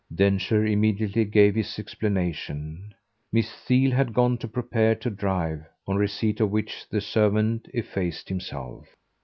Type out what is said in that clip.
Densher immediately gave his explanation Miss Theale had gone to prepare to drive on receipt of which the servant effaced himself.